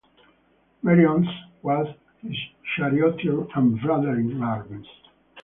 Meriones was his charioteer and brother-in-arms.